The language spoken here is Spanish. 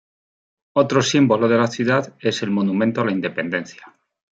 Otro símbolo de la ciudad es el Monumento a la Independencia.